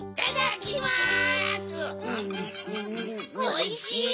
おいしい！